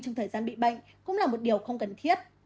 trong thời gian bị bệnh cũng là một điều không cần thiết